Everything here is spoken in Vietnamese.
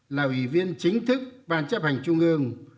là ủy viên chính thức ban chấp hành trung ương